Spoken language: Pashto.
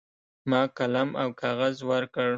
ما قلم او کاغذ ورکړ.